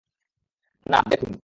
না, দেখুন।